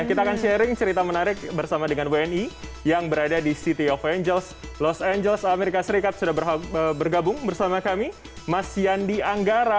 kita akan sharing cerita menarik bersama dengan wni yang berada di city of angels los angeles amerika serikat sudah bergabung bersama kami mas yandi anggara